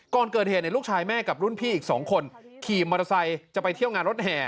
ก่อนเกิดเหตุลูกชายแม่กับรุ่นพี่อีก๒คนขี่มอเตอร์ไซค์จะไปเที่ยวงานรถแห่